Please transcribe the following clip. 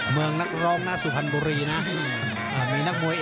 เมืองนักร้องหน้าสุพรรณบุรีนะ